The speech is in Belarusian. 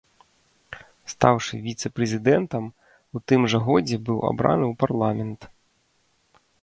Стаўшы віцэ-прэзідэнтам, у тым жа годзе быў абраны ў парламент.